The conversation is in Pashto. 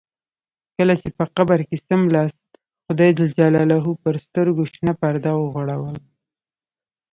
کله چې په قبر کې څملاست خدای جل جلاله پر سترګو شنه پرده وغوړوله.